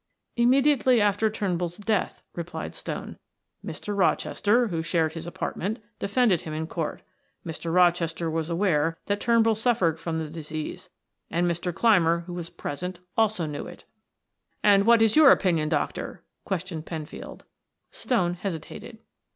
"Immediately after Turnbull's death," replied Stone. "Mr. Rochester, who shared his apartment, defended him in court. Mr. Rochester was aware that Turnbull suffered from the disease, and Mr. Clymer, who was present, also knew it." "And what is your opinion, doctor?" questioned Penfield. Stone hesitated.